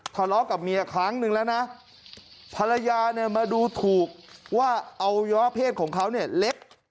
ทะเลาะกับเมียครั้งหนึ่งแล้วนะภาลายามาดูถูกว่าอวัยวะเพศของเขาเล็ก